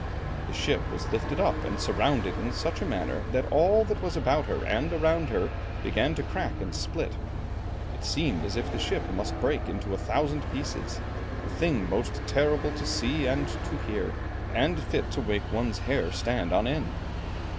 The ship was lifted up and surrounded in such a manner, that all that was about her and around her began to crack and split. It seemed as if the ship must break into a thousand pieces, a thing most terrible to see and to hear, and fit to make one's hair stand on end.